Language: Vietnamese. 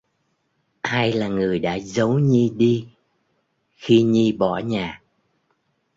Ai là người đã giấu Nhi đi khi Nhi bỏ nhà